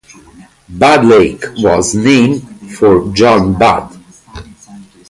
Budd Lake was named for John Budd.